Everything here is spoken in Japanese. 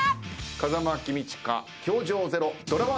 『風間公親−教場０−』ドラ−１